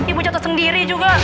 ibu jatuh sendiri juga